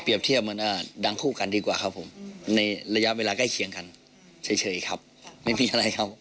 เทียบเหมือนดังคู่กันดีกว่าครับผมในระยะเวลาใกล้เคียงกันเฉยครับไม่มีอะไรครับ